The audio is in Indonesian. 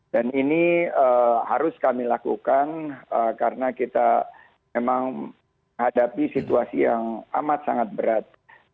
dan ini harus kami lakukan karena kita memang menghadapi situasi yang amat sangat berat